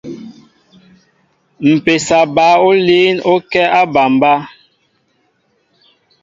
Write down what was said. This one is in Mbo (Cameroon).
Mpésa ɓă oniin o kɛ a aɓambá.